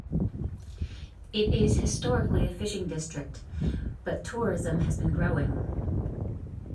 It is historically a fishing district, but tourism has been growing.